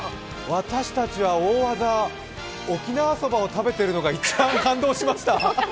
私達は大技、沖縄そばを食べているのが一番感動しました。